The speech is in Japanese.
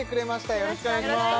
よろしくお願いします